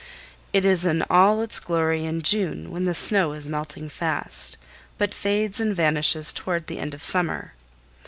It is in all its glory in June, when the snow is melting fast, but fades and vanishes toward the end of summer.